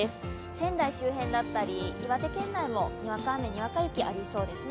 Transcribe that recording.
仙台周辺だったり、岩手県内もにわか雨、にわか雪、ありそうですね。